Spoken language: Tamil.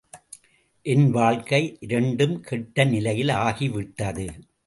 என் வாழ்க்கை இரண்டும் கெட்ட நிலையில் ஆகி விட்டது.